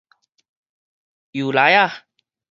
油梨仔